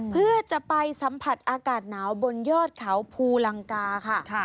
เพื่อจะไปสัมผัสอากาศหนาวบนยอดเขาภูลังกาค่ะ